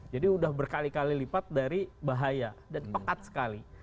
jadi sudah berkali kali lipat dari bahaya dan pekat sekali